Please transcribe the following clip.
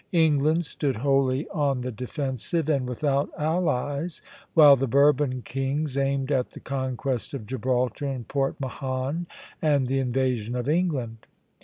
England stood wholly on the defensive, and without allies; while the Bourbon kings aimed at the conquest of Gibraltar and Port Mahon, and the invasion of England.